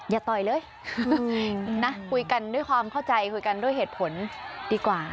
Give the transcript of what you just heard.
อย่าต่อยเลยนะคุยกันด้วยความเข้าใจคุยกันด้วยเหตุผลดีกว่า